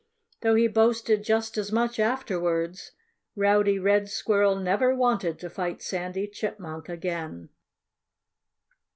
Though he boasted just as much afterwards, Rowdy Red Squirrel never wanted to fight Sandy Chipmunk again.